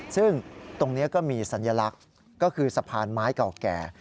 ซึ่งตรงนี้ก็มีสัญลักษณ์ก็คือสะพานไม้เก่าแก่